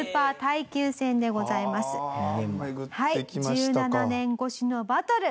１７年越しのバトル。